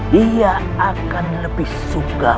dia akan lebih suka